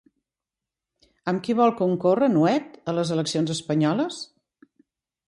Amb qui vol concórrer Nuet a les eleccions espanyoles?